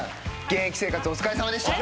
現役生活お疲れさまでした。